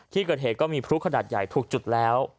ที่เกิดเหตุก็มีพลุขนาดใหญ่ถูกจุดแล้ว